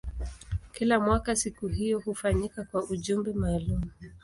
Kila mwaka siku hiyo hufanyika kwa ujumbe maalumu.